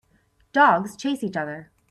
Dogs chase each other.